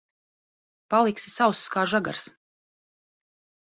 Paliksi sauss kā žagars.